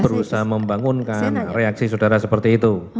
berusaha membangunkan reaksi saudara seperti itu